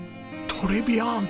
トレビアン！